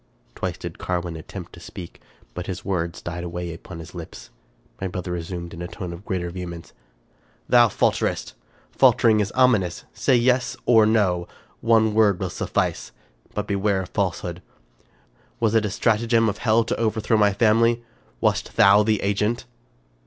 Twice did Carwin attempt to speak, but his words died away upon his lips. My brother resumed, in a tone of greater vehemence: —" Thou falterest. Faltering is ominous. Say yes or no ; one word will suffice ; but beware of falsehood. Was it a stratagem of hell to overthrow my family? Wast thou the agent?"